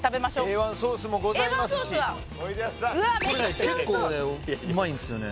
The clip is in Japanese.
Ａ１ソースもございますしこれね結構ねうまいんすよね